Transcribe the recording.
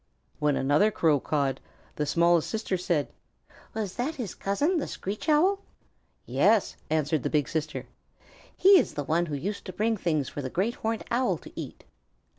When another Crow cawed, the smallest sister said, "Was that his cousin, the Screech Owl?" "Yes," answered the big sister. "He is the one who used to bring things for the Great Horned Owl to eat."